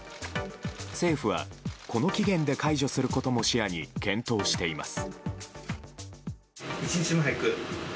政府はこの期限で解除することも視野に検討しています。